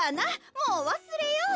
もうわすれよう。